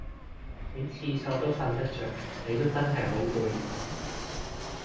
喺廁所都瞓得着你都真係好攰喎